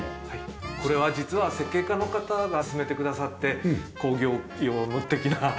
これは実は設計家の方が薦めてくださって工業用の的な感じの。